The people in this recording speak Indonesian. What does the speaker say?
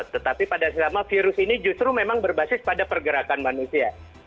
tetapi pada saat virus ini justru memang berbasis pada pergerakan manusia